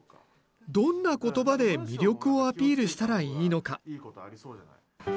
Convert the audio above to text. どんな言葉で魅力をアピールしたらいいのか。